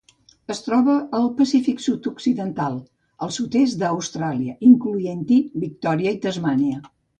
Es troba al Pacífic sud-occidental: el sud-est d'Austràlia, incloent-hi Victòria i Tasmània.